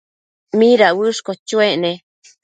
¿mida uëshquio chuec ne?